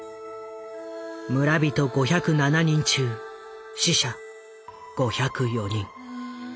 村人５０７人中死者５０４人。